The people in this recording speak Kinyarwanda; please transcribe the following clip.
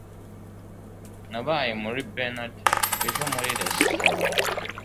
nabaye kuri bernard ejo muri resitora